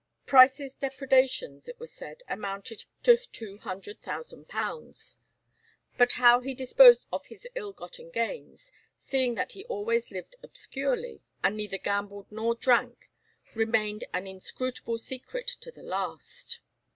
Price's depredations, it was said, amounted to £200,000; but how he disposed of his ill gotten gains, seeing that he always lived obscurely, and neither gambled nor drank, remained an inscrutable secret to the last.